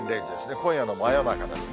今夜の真夜中ですね。